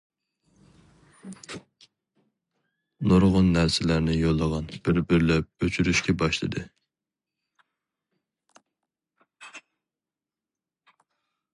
نۇرغۇن نەرسىلەرنى يوللىغان بىر-بىرلەپ ئۆچۈرۈشكە باشلىدى.